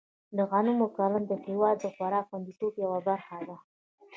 د غنمو کرنه د هېواد د خوراکي خوندیتوب یوه برخه ده.